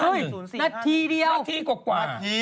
เอ้ยนาทีเดียวนาทีกว่า